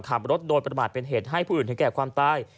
ขับรถโดยประมาทเป็นเหตุให้ผู้อื่นถึงแก่ความตาย